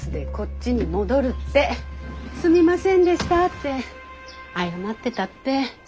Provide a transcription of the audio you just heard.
すみませんでしたって謝ってたって。